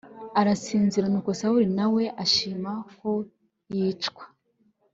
arasinzira Nuko Sawuli na we ashima ko yicwa